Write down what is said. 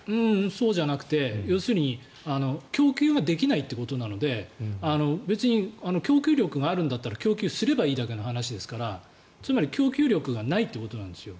そうじゃなくて、要するに供給ができないってことなので別に供給力があるんだったら供給すればいいという話ですからつまり、供給力がないってことなんですよ